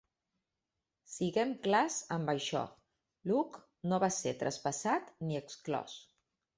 Siguem clars amb això, Luke no va ser traspassat ni exclòs.